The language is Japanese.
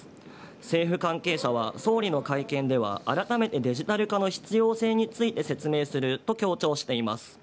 政府関係者は総理の会見では改めてデジタル化の必要性について説明すると強調しています。